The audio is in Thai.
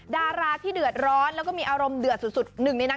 ดาราที่เดือดร้อนแล้วก็มีอารมณ์เดือดสุดหนึ่งในนั้น